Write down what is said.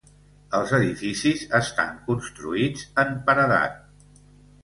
Els edificis estan construïts en paredat.